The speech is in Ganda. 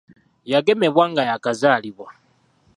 Yagemebwa nga yaakazaalibwa.